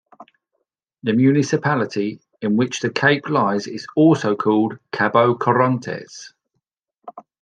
The municipality in which the cape lies is also called Cabo Corrientes.